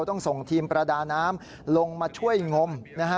ต้องส่งทีมประดาน้ำลงมาช่วยงมนะฮะ